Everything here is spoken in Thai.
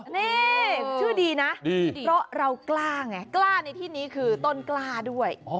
นี่ชื่อดีนะเพราะเรากล้าไงกล้าในที่นี้คือต้นกล้าด้วย